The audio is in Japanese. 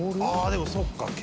「ああでもそっか」